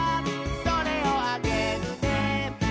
「それをあげるね」